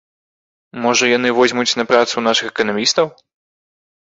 Можа, яны возьмуць на працу нашых эканамістаў?